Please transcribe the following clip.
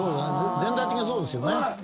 全体的にそうですよね。